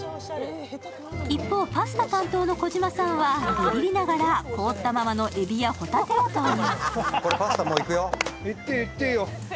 一方、パスタ担当の児嶋さんはビビリながら、凍ったままのえびや帆立てを投入。